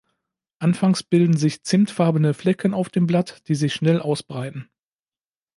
Anfangs bilden sich zimtfarbene Flecken auf dem Blatt, die sich schnell ausbreiten.